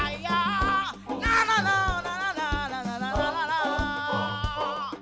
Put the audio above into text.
ทวงคำนองที่ตัวฉันนั้นมั่นใจ